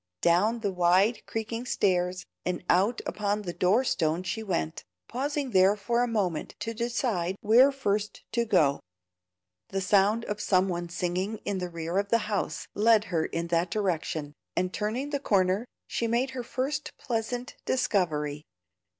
Down the wide, creaking stairs and out upon the door stone she went, pausing there for a moment to decide where first to go. The sound of some one singing in the rear of the house led her in that direction, and turning the corner she made her first pleasant discovery.